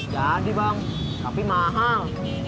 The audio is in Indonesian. jadi bang tapi mahal